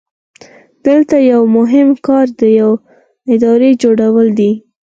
دلته یو مهم کار د یوې ادارې جوړول دي.